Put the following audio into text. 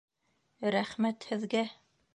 Рәхмәтһеҙгә...